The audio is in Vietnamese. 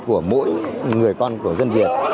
của mỗi người con của dân việt